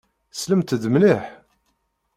Slemt-d mliḥ.